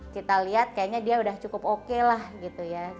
kita lihat kayaknya dia udah cukup oke lah gitu ya